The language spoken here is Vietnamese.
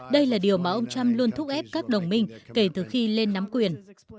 đây là điều mà ông trump luôn thúc ép các đồng minh kể từ khi lên nắm quyền